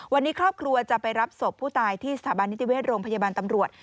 วันนี้ครอบครัวจะไปรับศพผู้ตายที่สถาบันนิติเวชโรงพยาบาลตำรวจ